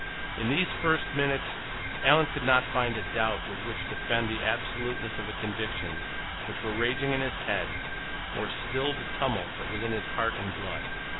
In these first minutes Alan could not find a doubt with which to fend the absoluteness of the convictions which were raging in his head, or still the tumult that was in his heart and blood.